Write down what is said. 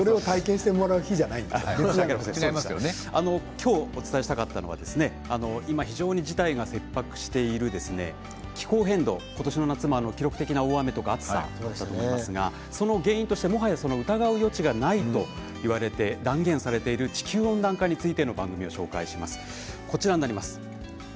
今日お伝えしたかったのは今、非常に事態が切迫している気候変動、今年の夏も記録的な大雨や暑さがありますがその原因としてもはや疑う余地がないと言われている断言されている地球温暖化についての番組で紹介します。